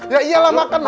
ya iyalah makan mas